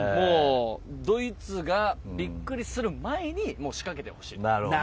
ドイツがビックリする前に仕掛けてほしい。